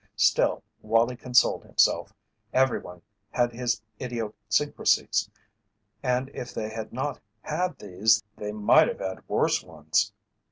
Still, Wallie consoled himself, everyone had his idiosyncrasies, and if they had not had these they might have had worse ones.